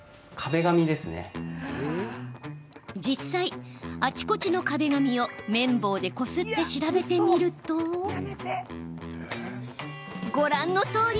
実際、あちこちの壁紙を綿棒でこすって調べてみるとご覧のとおり。